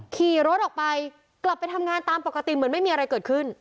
ขี่รถออกไปกลับไปทำงานตามปกติเหมือนไม่มีอะไรเกิดขึ้น